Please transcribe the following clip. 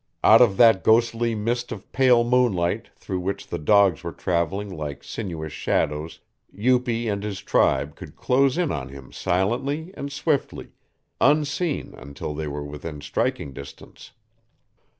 Out of that ghostly mist of pale moonlight through which the dogs were traveling like sinuous shadows Upi and his tribe could close in on him silently and swiftly, unseen until they were within striking distance.